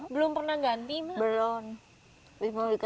belum pernah ganti mak